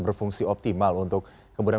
berfungsi optimal untuk kemudian